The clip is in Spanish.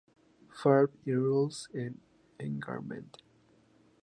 Farm y Rules of Engagement.